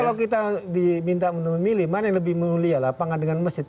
kalau kita diminta memilih mana yang lebih mulia lapangan dengan masjid